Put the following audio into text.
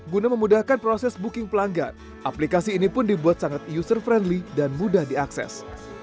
guna memudahkan proses booking pelanggan aplikasi ini pun dibuat sangat user friendly dan mudah diakses